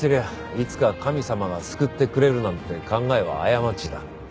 いつか神様が救ってくれるなんて考えは過ちだ。